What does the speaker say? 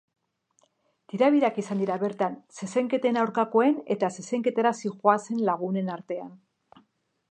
Tirabirak izan dira bertan zezenketen aurkakoen eta zezenketara zihoazen lagunen artean.